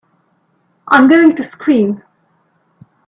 I'm going to scream!